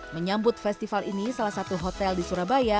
menyambut festival ini salah satu hotel di surabaya